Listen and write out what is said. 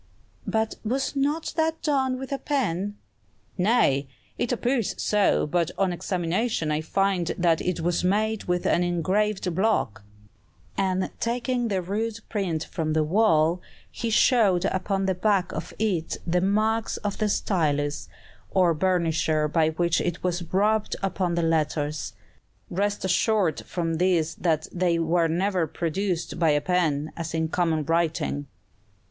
"But was not that done with a pen?" "Nay: it appears so, but on examination I find that it was made with an engraved block;" and taking the rude print from the wall, he showed upon the back of it the marks of the stylus, or burnisher by which it was rubbed upon the letters. "Rest assured from this that they were never produced by a pen, as in common writing."